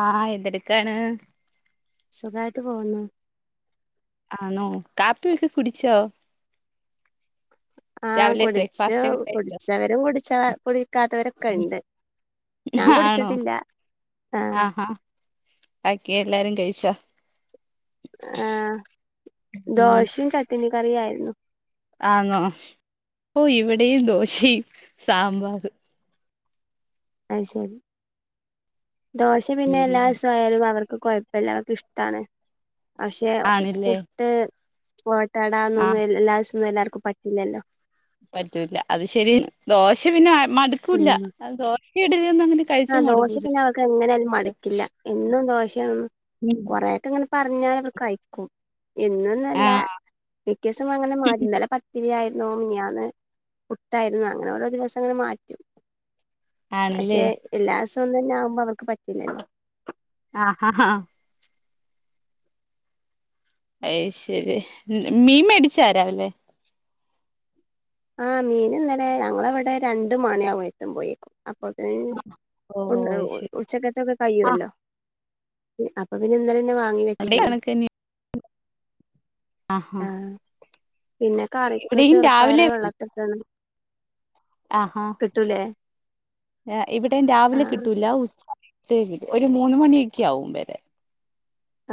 ആഹ് എന്തെടുക്കയാണ്. സുഖായിട്ട് പോവ്ന്നു. ആണോ കാപ്പിയൊക്കെ കുടിച്ചോ? ആഹ് രാവിലെ കുടിച്ചു. ബ്രേക്ക്ഫാസ്റ്റ് ഒക്കെ കഴിച്ചോ കുടിച്ചവരും കുടിച്ച കുടിക്കാത്തവരൊക്കെ ഇണ്ട് ഞാൻ ആണോ കുടിച്ചിട്ടില്ല ആഹ്. ഭാക്കി എല്ലാരും കഴിച്ചോ? ആഹ് ഉം ദോശയും ചട്നി കറി ആയിരുന്നു. ആന്നോ ഓ ഇവിടെയും ദോശയും സാമ്പാറും. അത് ശരി ദോശ പിന്നെ ഉം എല്ലാസയാലും അവർ കൊയപ്പില്ല അതൊക്കെ ഇഷ്ടാണ് പക്ഷെ ആണില്ലേ പുട്ട് മൊ ട്ടടാന്നൊന്നും ആഹ് എല്ലാസൊന്നും എല്ലാവർക്കും പറ്റില്ലല്ലോ. പറ്റൂല അത് ശരി ദോശ പിന്നെ മടുക്കൂല്ല ഉം ദോശ ഇഡലി ഒന്നും അങ്ങനെ കഴി ആഹ് ദോശ പിന്നെ അവർക്ക് എങ്ങനാലും മടുക്കില്ല എന്നും ദോശ യായിട്ട് ഇങ്ങനെ പറഞ്ഞാൽ അവർ കഴിക്കും. ഇന്ന് ഒന്നൊന്നല്ല ആഹ് മിക്കയസും അങ്ങനെ മാരി ഇന്നല പ ത്തിരിയായിരുന്നു മിനിയാന്ന് പുട്ടായിരുന്നു അങ്ങനെ ഓരോ ദിവസം അങ്ങനെ മാറ്റും. പക്ഷെ ആണല്ലേ എല്ലാ ദിവസവും ഒന്നന്നെ ആവുമ്പോ അവർക്ക് പറ്റില്ലല്ലോ. ആഹ് ഹ ഹ. അയ് ശരി മ മീൻ മേടിച്ച രാവിലെ? ആഹ് മീൻ ഇന്നലെ ഞങ്ങളവിടെ രണ്ടു മണിയാകും എത്തുമ്പോയേക്കും. അപ്പോത്തിന് ഓ പിന്നെ അത് ശരി ഉച്ചക്കത്തെ ഒക്കെ ആഹ് കയ്യുവല്ലോ അപ്പൊ പിന്നെ ഇന്നലെന്നെ വാങ്ങി ഇവിടെ വെച്ചിരുന്നു. ആഹ് ഹ പിന്നെ കറിക്ക് ചെറുപ്പയർ വെള്ളത്തിട്ടാണ് ആ ഹാ കിട്ടൂലേ ആ എ ഇവിടെം രാവിലെ ആഹ് കിട്ടൂല ഉച്ച സമയം ത്യേകിത് ഒരു മൂന്ന് മണിയക്കെ ആവും വരെ.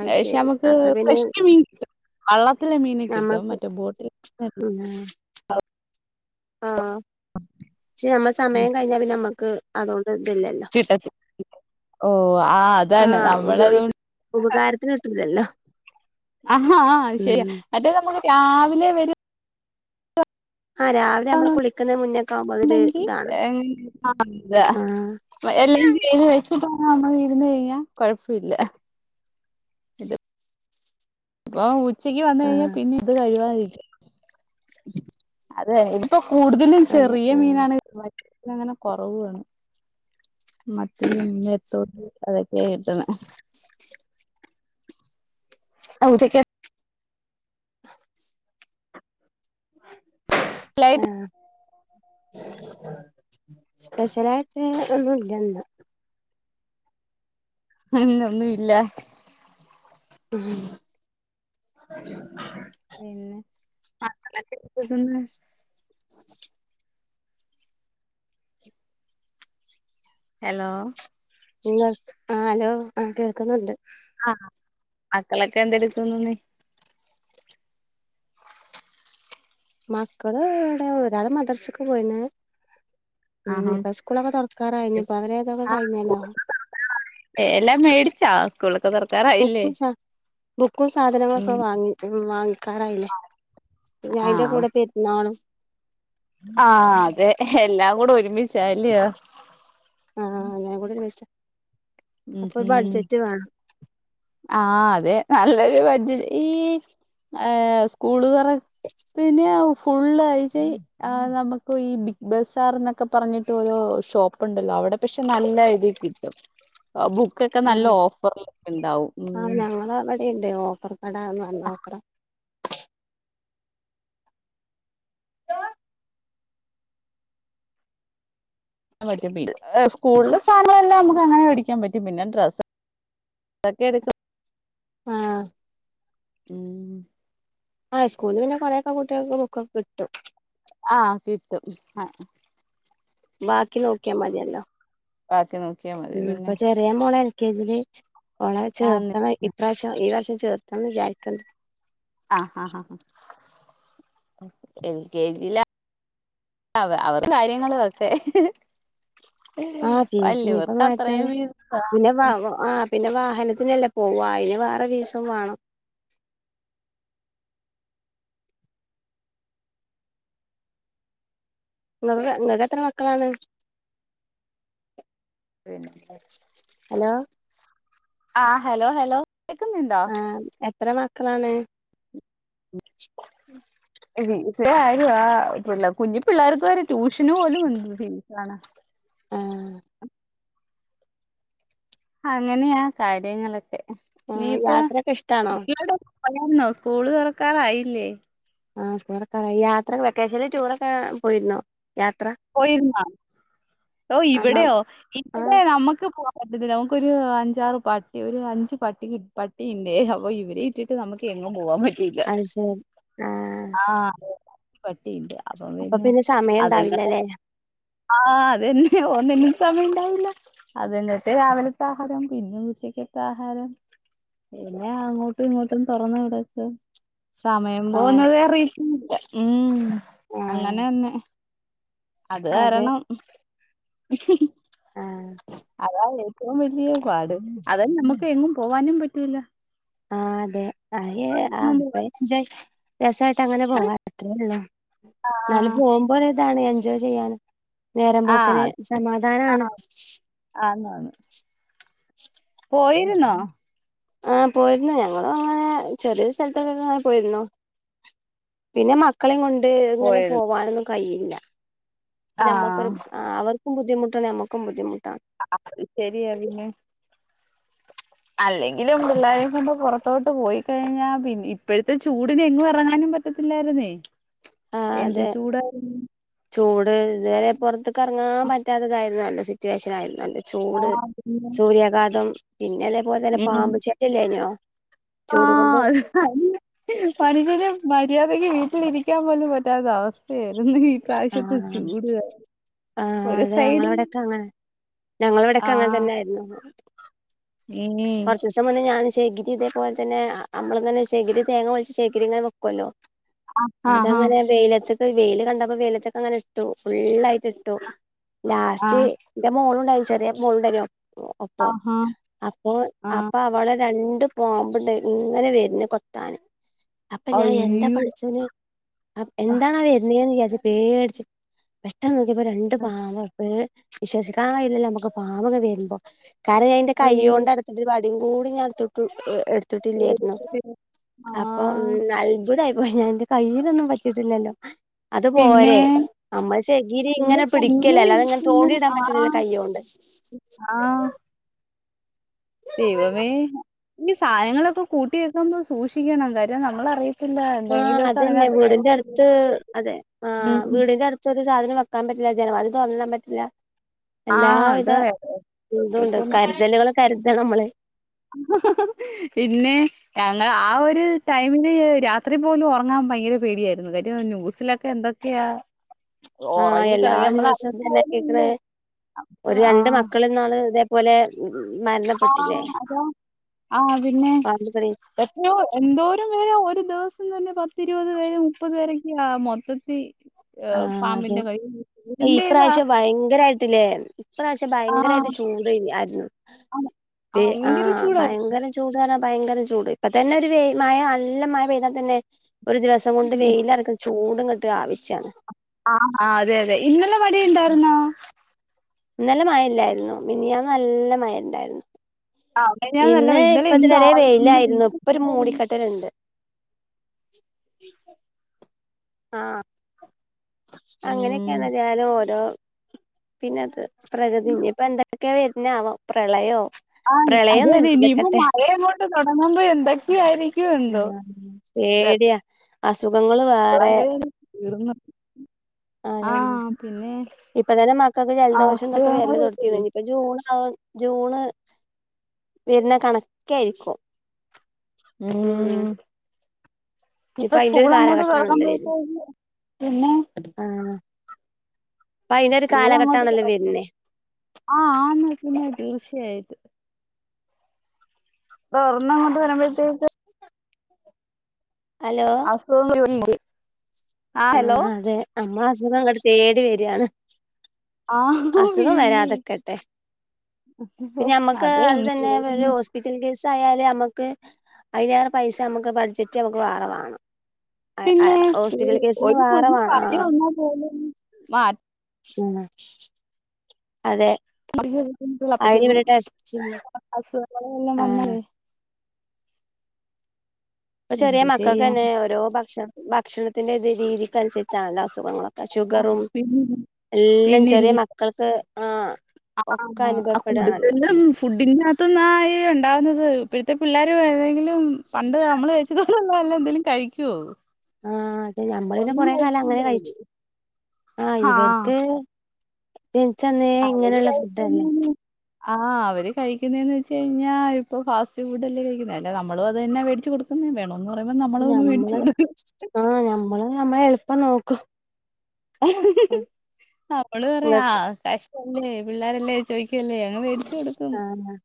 അത് അ പക്ഷെ ശരി നമുക്ക് അപ്പൊ പിന്നെ ഫ്രഷ് മീൻ കിട്ടും വെള്ളത്തിലെ മീൻ കിട്ടും ഞമ്മക്ക് മറ്റ ബോട്ടിൽ ഉം ന്നെ ആഹ്. പക്ഷെ നമ്മളെ സമയം കഴിഞ്ഞാൽ പിന്ന നമുക്ക് അതുകോണ്ട് ണ്ട് ഇത് ഇല്ലല്ലോ കിട്ടത്തി ഓ ആ അതാണ് ആഹ് നമ്മളത് ഉപയോഗിക്ക് ഉപകാരത്തിന് കിട്ടൂല്ലല്ലോ. അ ഹാ ആഹ് അത് ശെരിയാ മറ്റേത് നമ്മക്ക് രാവിലെ വര് ആഹ് രാവിലെ നമ്മള് കുളിക്കുന്ന മുന്നേക്കെ ആവുമ്പോ അതൊരു വരുന്നുണ്ടെങ്കി ഇതാണ് ആഹ്. വെ എല്ലാരും ചെയ്ത് വെച്ചിട്ടാ വന്ന് ഇര്ന്ന് കഴിഞ്ഞാ കൊഴപ്പില്ല. ഇപ്പൊ ഉച്ചയ്ക്ക് വന്ന് കഴിഞ്ഞാ ആഹ് പിന്നെ ഇത് കഴുവാതിരിക്ക. അതെ ഇപ്പൊ കൂടുതലും അതെ ചെറിയ ആഹ് മീനാണ് കിട്ടണെ. പിന്നെ അങ്ങനെ കൊറവു ആണ് മറ്റേ ഈ ഇമ്മരെ തോട്ട്. അതെ കേട്ട്ണ്. അന്റെക്കെ ലൈട്ട് ആഹ് സ്പെഷ്യലായിട്ട് ഒന്നും ഇല്ല ഇണ്ടോ? ഉം ഒന്നു ഇല്ല ഉം പിന്നെ [unintelligible] എലോ ആഹ് ഹലോ ആഹ് കേക്കുന്നുണ്ട് ആഹ് മക്കളൊക്കെ എന്തെടുക്കുന്നുന്ന് മക്കള് ഇവടെ ഒരാള് മദർസക്ക് പോയിന് ഉം ആഹാ ഇപ്പ സ്കൂളൊക്കെ തൊറക്കാറായി ഇനി അവരെ ഇതൊക്കെ കയ്ഞ്ഞല്ലോ ഏ എല്ലാം മേടിച്ചാ സ്കൂളോക്കെ തൊറക്കാറ ബുക്കും സ ബുക്കും ഉം സാധനങ്ങളൊക്കെ വാങ്ങി വാങ്ങിക്കാറായില്ലേ പിന്നെ അയ്ന്റെ ആഹ് കൂടെ പെര്ന്നാളും ആഹ് അതെ എല്ലാം കൂടെ ഒരുമിച്ചാല്യോ ആഹ് എല്ലാ കൂടെ ഒര്മിച്ച ഉം ഉം ആഹ് അതെ നല്ലൊരു ബജ ഈ സ്കൂള് തൊ പിന്നെ ഫുള്ളായിറ്റ് ആഹ് നമ്മക്ക് ഈ ബിഗ് ബസാർ എന്നക്കെ പറഞ്ഞിട്ട് ഓരോ ഷോപ്പ്ണ്ടല്ലോ അവടെ പക്ഷെ നല്ല ഇതി കിട്ടും ബുക്കൊക്കെ നല്ല ആഹ് ഓഫർലൊക്കെ ഉണ്ടാവും ഉം ആഹ് ഇവിടിണ്ട് ഓഫർ കടാ നല്ല ഓഫറാ [unintelligible] സ്കൂളിലെ സാനങ്ങളെല്ലാം നമ്മക്ക് അങ്ങനെ വെടിക്കാൻ പറ്റും പിന്നെ ഡ്രെ സ്സൊക്കെ എട്ക്കും ആഹ് ഉം ആഹ് സ്കൂളില് പിന്നെ കൊറെക്കെ കുട്ടികൾക്ക് ബുക്കൊക്കെ കിട്ടും ആഹ് കിട്ടും ആഹ് ബാക്കി നോക്കിയാ മതിയല്ലോ ബാക്കി നോക്കിയാ മതി പിന്നെ ദിയ മോള് എൽ കെ ജി ല് ഓളെ ചേർത്തണം ഇപ്രാവശ്യം ഈ വർഷം ചേർത്തന്ന് വിചാരിക്ക്ണ്ട് ആ ഹ ഹ എ ൽ കെ ജിലാ അവ അവറ് കാര്യങ്ങളോക്കെ ആഹ് ട്ടിൻസ്പ്പ മാറ്റാ അത്രയും പിന്നെ വാ ആഹ് പിന്നെ വാഹനത്തിനല്ലേ പോവ അയിന് വേറെ ഫീസും വാണം ഇങ്ങകെക്കെ ഇങ്ങക്ക് എത്ര മക്കളാണ് ഹലോ ആഹ് ഹലോ ഹലോ കേക്കുന്നുണ്ടോ ആഹ് എത്ര മക്കളാണ് ഫീസ് ആയി ആഹ് പി കുഞ്ഞി പിള്ളേർക്ക് വരെ ട്യൂഷന് പോലും [unintelligible] ഫീസണ് ആ അങ്ങനെയാ കാര്യങ്ങളൊക്കെ ആ നീയിപ്പൊ യാത്രയൊക്കെ ഇഷ്ടാണോ ഇവിടെ പോയാർന്നോ സ്കൂള് തൊറക്കാറായില്ലേ ആഹ് സ്കൂളൊറോക്കാറായി യാത്ര വെക്കേഷനിൽ ടൂറൊക്കെ പോയിരുന്നോ, യാത്ര പോയിരുന്നാ? ഓഹ് ആണോ ഇവിടെയോ, ആ ഇവിടെ നമ്മക്ക് പോകാ പറ്റത്തില്ല. നമുക്കൊരു അഞ്ചാറ് പട്ടി, ഒരു അഞ്ച് പട്ടി, പട്ടിയുണ്ടേ. അപ്പൊ ഇവരെ ഇട്ടിട്ട് നമുക്ക് എങ്ങും പോവാൻ പറ്റിയില്ല. അത് ശരി ആ ആഹ് പറ്റിയില്ല അപ്പ അപ്പൊ പിന്നെ സമയം അതങ്ങനെ ഉണ്ടാവില്ലല്ലേ ആഹ് അതെന്നെ, ഒന്നിനും സമയം ഉണ്ടാവൂല അതന്നെ ന്നട്ട് രാവിൽത്തെ ആഹാരം, പിന്നെ ഉച്ചക്കെത്തെ ആഹാരം. പിന്നെ അങ്ങോട്ടും ഇങ്ങോട്ടും, തൊറന്ന് കെടെക്ക സമയം ആഹ് പോവുന്നത് അറിയില്ല. ഉം ആഹ് അങ്ങനെന്നെ അത് അതെ കാരണം ആഹ് അതാണ് ഏറ്റവും വലിയ പാട്, അതെന്നെ നമുക്ക് എങ്ങും പോവാനും പറ്റൂല്ല ആഹ് അതെ ആ [unintelligible] രസായിട്ട് അങ്ങനെ പോവാ അത്രേ ഉള്ളു എന്നാലും ആഹ് പോകുമ്പൊ ഒരു ഇതാണ് എൻജോയ് ചെയ്യാൻ നേരം പോക്കിന് സമാധാനാണ്. ആന്നു ആണ് പോയിരുന്നോ ആ പോയിരുന്നു. ഞങ്ങളും അങ്ങനെ ചെറിയൊരു സ്ഥൽത്തൊക്കെ അങ്ങനെ പോയിരുന്നു പിന്നെ മക്കളിം കൊണ്ട് ഇങ്ങനെ പോയിരുന്നു പോവാനൊന്നും കഴിയില്ല ഞമ്മക്കൊരു ആഹ് ആ അവർക്കും ബുദ്ധിമുട്ടാണ്, ഞമ്മക്കും ബുദ്ധിമുട്ടാ. അത് ശെരിയാ പിന്നെ അല്ലെങ്കിലും പിള്ളേരിം കൊണ്ട് പുറത്തോട്ട് പോയി കഴിഞ്ഞാൽ പിന്നെ ഇപ്പഴത്തെ ചൂടിന് എങ്ങും എറങ്ങാനും പ റ്റത്തില്ലായിരുന്നേ. ആഹ് എന്ത് അതെ ചൂടായിരുന്നു. ചൂട് ഇതുവരെ പൊർത്ത്ക്ക് എറങ്ങാൻ പറ്റാത്തതായിരുന്നല്ലോ, സിറ്റുവേഷൻ ആയിരുന്നല്ലോ. ചൂട്, ആഹ് പിന്നെ സൂര്യാഘാതം. പിന്ന അതേപോലെ തന്നെ ഉം പാമ്പു ശല്യല്ലയിനോ ആഹ് [unintelligible] പരീക്ഷക്ക് മര്യാദക്ക് വീട്ടിലിരിക്കാൻ പോലും പറ്റാത്ത അവസ്ഥയായിരുന്നു ഇപ്രാവശ്യത്തെ ആഹ് ചൂട് കാരണം ആഹ് ഒരു അതെ സൈഡ് ഞങ്ങളവിടൊക്കെ അങ്ങനെ, ഞങ്ങളവിടൊക്കെ അങ്ങൻ തന്നെയായിരുന്നു എനി സത്യം പർഞ്ഞാൽ ഞാൻ ചകിരി ഇതേപോലെ തന്നെ, നമ്മളിങ്ങനെ ചകിരി തേങ്ങ പൊളിച്ച് ചകിരി ഇങ്ങനെ വെക്കുല്ലോ. ആഹാ അതങ്ങനെ വെയിലത്ത്ക്ക്, വെയിൽ കണ്ടപ്പോ, വെയിലത്ത്ക്ക് അങ്ങനെ ഇട്ടു. ഫുള്ളായിട്ട് ഇട്ടു. ലാസ്റ്റ് ആഹ് ഇന്റെ മോളുണ്ടായിരുന്നു. ചെറിയ മോള്ണ്ടായിരുന്നു ഒപ്പം ആഹാ അപ്പൊ ആഹ് അവളെ രണ്ട് പാമ്പ്ണ്ട് ഇങ്ങനെ വര്ന് കൊത്താന്. അപ്പൊ ഞാൻ എന്താ അയ്യോ പട്ച്ചോനേ, എന്താണ് ആ വര് നേന്ന് വിചാരിച്ച് പേട്ച്ച്, പെട്ടെന്ന് നോക്കിയപ്പോ രണ്ട് പാമ്പ് വിശ്വസിക്കാൻ കഴിയുന്നില്ല നമുക്ക് പാമ്പ് അണ്ട് വരുമ്പോ. കാരണം ഞാ ഇന്റെ കൈയ്യോ അയ്യോ ഒരു വടിയും കൂടി ഞാൻ എട്ത്തുട്ട്, എടുത്തിട്ടില്ലായിരുന്നു അപ്പൊ, ആഹ് ഉം അത്ഭുതായി പോയി ഞാൻ, എന്റെ കയ്യിനൊന്നും പറ്റിട്ടില്ലല്ലോ. അത് പിന്നെ പോരെ, നമ്മൾ ചകിരി പിന്നെ ഇങ്ങനെ കുഞ്ഞു പിടിക്കല്ലേ. അല്ലാതെ ഇങ്ങനെ ഇരിക്കുന്ന് തോണ്ടിയിടാൻ ആഹ് പറ്റൂലല്ലോ കൈയ്യോണ്ട് ആഹ് ദൈവമേ. ഇനി സാധനങ്ങളൊക്കെ കൂട്ടി വെക്കുമ്പോൾ സൂക്ഷിക്കണം. കാര്യം നമ്മളറിയ ആ അതന്നെ, വീടിന്റെ അട്ത്ത്. അതെ ആ ഉം വീടിന്റെ അട് ത്തൊരു സാധനം വെക്കാൻ പറ്റില്ല, ജനവാതിൽ തൊർന്നിടാൻ പറ്റില്ല. ആഹ് അത് എല്ലാവിധ ഇതുംണ്ട്. ശ്രദ്ധിക്കണം കരുതലുകൾ, കരുതണം നമ്മള് പിന്നെ ഞങ്ങള്, ആ ഒരു ടൈമില് രാത്രി പോലും ഒറങ്ങാൻ ഭയങ്കര പേടിയായിരുന്നു. കാര്യം ന്യൂസിലൊക്കെ എന്തൊ ക്ക്യാ ആഹ് എല്ലാ ഒറങ്ങികഴിഞ്ഞാ നമ്മൾ ദിവസവും അറിയത്തു ഇതന്നെ പോലും കേക്കണേ ഇല്ലേ. ഒരു രണ്ട് ആഹ്. മക്കള് ഇന്നാള് ഇതേപോലെ മരണപ്പെട്ടില്ലേ. ആഹ് അതാ പാമ്പ് കടിയേറ്റ്. നോ. എന്തോരം പേരാ ഒരു ദിവസം തന്നെ. പത്തിരുപത് പേരെ മുപ്പത് പേരക്കെയാ ആ മൊത്തത്തി. പാമ്പിന്റെ കടി കൊണ്ട് ഈ പ്രാവശ്യം ഭയങ്കരയായിട്ടില്ലേ. ഈ പ്രാവശ്യം ഭയങ്കരായിട്ട് ആഹ് ചൂട് തന്നെയാരുന്നു. ആണ് ദേ ഭയങ്കര ആഹ് ചൂടായിരുന്നു ഭയങ്കരം ചൂട് കാരണം ഭയങ്കരം ചൂട്. ഇപ്പ തന്നെ ഒരു വെ മയ, നല്ല മഴ പെയ്താ തന്നെ ഒരു ദിവസ്. കൊണ്ട് വെയിലൊറെക്കും ചൂടും കെട്ട് ആവിച്ചാണ്. ആഹ് ആഹ് അതെ അതെ. ഇന്നലെ മഴ ഒണ്ടാരുന്നോ? ഇന്നലെ മയയില്ലാരുന്ന്. മിനിഞ്ഞാന്ന് നല്ല മഴ ഒണ്ടാരുന്നു. മിനിഞ്ഞാന്ന് നല്ല ഇന്ന് മഴ ഇന്നലെ ഇപ്പ എന്ത് ഇതുവരെ ആവി വെയിലാരുന്നു. ഇപ്പൊ ഒരു മൂടിക്കെട്ടലുണ്ട്. ആഹ്, ഉം അങ്ങനെയെക്കെയാണ് ഞാനും ഓരോ. പിന്നത് പ്രകൃതി ഇനിയിപ്പ എന്തൊക്കെയാ വെരുന്നാവോ പ്രളയോ. ആഹ് അതെ അതെ പ്രളയൊന്നുല്ല ഇനിയിപ്പോ ഇതൊക്കട്ടെ മഴ അങ്ങോട്ട് തൊടങ്ങുമ്പോ എന്തൊക്കെയാരിക്കും എന്തോ. പേടിയാ അസുഖങ്ങള്- വേറെ [unintelligible] തീർന്നു ആഹ് പിന്നെ. ഇപ്പ തന്നെ മക്കക്ക് ജലദോഷെന്നെക്കെ വെരല് അസുഖങ്ങള് തൊടങ്ങിയതാ ഇനിപ്പഴ്. ജൂണ് ഏഹ് ജൂണ്, വെരുന്ന കണക്ക് ആരിക്കും. ഉം ഉം ഇപ്പൊ ഇപ്പ അയിന്റെ ഒരു സ്കൂളങ്ങോട്ട് കാലഘട്ടാണല്ലോ വര് തൊറക്കുമ്പഴത്തേക്ക് പിന്നെ. ആഹ് ഇപ്പൊ അയിന്റെ ഒരു സ്കൂളങ്ങോട്ട് കാലഘട്ടാണല്ലോ തൊറക്കുമ്പം വരുന്നേ ആഹ് ആന്ന് പിന്നെ തീർച്ചയായിട്ടും. ഇപ്പം തൊറന്നങ്ങോട്ട് വെരമ്പഴ്ത്തേക്ക്. ഹലോ [unintelligible] ആ ഹലോ ആഹ്, അതെ നമ്മെള അസുഖം അങ്ങോട്ട് തേടി വെരികാണ്. ആ അസുഖം പിന്നില്ലേ വരാതെ നിക്കട്ടെ പിന്നെ നമ്മെക്ക് അത് തന്നെ ഒരു ഹോസ്പിറ്റൽ കേസായാല് നമ്മെക്ക്. അതിലേറെ പൈസ നമുക്ക് ബഡ്ജറ്റി നമുക്ക് വേറെ വാങ്ങണം. പിന്നെ ഒരു വേറെ കുഞ്ഞ് വേണം പനി വന്നാ പോലും മാ [unintelligible] അതെ അതിന് പ്പഴത്തേക്ക് ഇവിടെ ടെസ്റ്റ് അസുഖങ്ങള് വെല്ലോം ആഹ് വന്നാലേ. ഇപ്പ ചെറിയ എന്ത് മക്കൾക്ക് ചെയ്യാൻ തന്നെ, ഓരോ ഭക്ഷണ ഭക്ഷണത്തിന്റെ രീതിക്കനുസരിച്ചാണല്ലോ അസുഖങ്ങള്. ആ ഷുഗറും എല്ലാം പിന്നില്ലേ ചെറിയ മക്കൾക്ക് ആഹ്- ഒക്കെ അനുഭവപ്പെടാണല്ലോ. ഫുഡിനാത്തുന്നാ ഇത് ഒണ്ടാവുന്നത്. ഇപ്പഴത്തെ പിള്ളേര് ഏതെങ്കിലും പണ്ട് നമ്മെള്. ഇതുപോലുള്ളയെന്തേലും കഴിക്കുവോ? ആഹ് അതെ നമ്മളന്നെ ഒന്നും കൊറെ കാലം അങ്ങനെ കഴിക്കില്ലേ കഴിച്ചു ആ ആഹ് ഇവെരെക്കെ. ജനിച്ചന്നെ. അവര് കഴിക്ക്ന്നെ. ആഹ് അവര് കഴിക്കുന്നതെന്ന് വെച്ച് കഴിഞ്ഞാ. ഇപ്പൊ ഫാസ്റ്റ് ഫുഡല്ലേ കഴിക്കുന്നേ. അല്ല നമ്മളും അത് തന്നാ മേടി ച്ച് കൊടുക്കുന്നേ വേണം എന്ന് പറയുമ്പോ നമ്മളതങ്ങ് മേടിച്ച് ഞമ്മള് കൊടുക്കും. ആഹ് നമ്മെളും നമ്മടെഎളുപ്പം നോക്കും. നമ്മെള് പറയും ആ ഇങ്ങക്ക് കഷ്ടല്ലേ, പിള്ളാരല്ലേ ചോദിക്ക്വല്ലേ. അങ്ങ് മേടിച്ച് കൊടുക്കും ആഹ്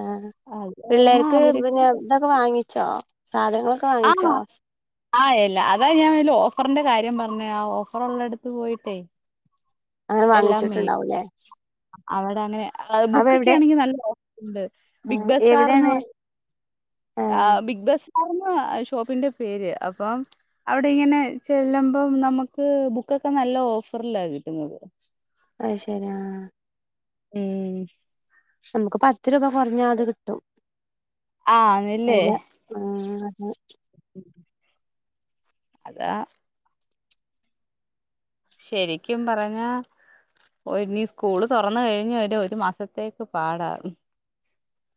ആഹ് അതാണ് അവര്ക്കും. ബുക്ക് വാങ്ങിച്ചോ സാധനങ്ങളൊ ആഹ് ആയല്ലോ അതാ ഞാൻ വല്ല ഓഫറിന്റെ കാര്യം പറഞ്ഞേ ആഹ് ഓഫറുള്ള എടുത്ത് പോയിട്ടേ. അങ്ങനെ എല്ലാം മേടിക്കും വാങ്ങിച്ചിട്ടുണ്ടാവൂല്ലേ? അവിടെ അങ്ങനെ ആഹ് അവ ബുക്ക്‌ ഒക്കെ എവിടെ ആണെങ്കിൽ നല്ല ഓഫറുണ്ട് ആ ബിഗ് ബസാർ എവിടെയാണ് എന്നുപറഞ്ഞു. ആ ആഹ് ബിഗ് ബസാർന്ന് ആഹ് ഷോപ്പിന്റെ പേര്, അപ്പം. അവിടെ ഇങ്ങനെ ചെല്ലുമ്പോ നമുക്ക് ബുക്ക് ഒക്കെ നല്ല ഓഫറിൽ കിട്ടുന്നത്. അത് ശരി ആഹ്. ഉം നമുക്ക് പത്ത് രൂപ കുറഞ്ഞാൽ അത് കിട്ടും. ആണല്ലേ? ആഹ് അതെ. അതാ ശരിക്കും പറഞ്ഞാൽ. ഓഹ് ഇനി സ്കൂള് തുറന്നു കഴിഞ്ഞുവരെ ഒരു മാസത്തേക്ക് പാടാ.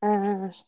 ആഹ്